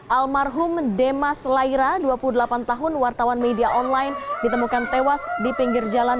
almarhum demas laira dua puluh delapan tahun wartawan media online ditemukan tewas di pinggir jalan